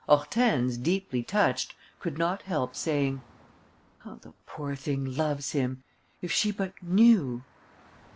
Hortense, deeply touched, could not help saying: "How the poor thing loves him! If she but knew...."